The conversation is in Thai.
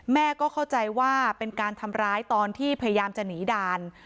แม่ก็เข้าใจว่าเป็นการทำร้ายตอนที่พยายามจะหนีด่าน